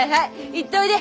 行っといで！